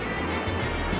jangan makan aku